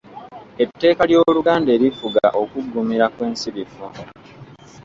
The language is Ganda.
Etteeka ly’Oluganda erifuga okuggumira kw’ensirifu.